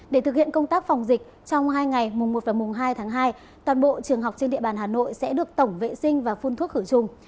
để thực hiện công tác phòng dịch trong hai ngày mùng một và mùng hai tháng hai toàn bộ trường học trên địa bàn hà nội sẽ được tổng vệ sinh và phun thuốc khử trùng